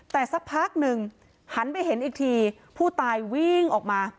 แต่สักพักหนึ่งหันไปเห็นอีกทีผู้ตายวิ่งออกมา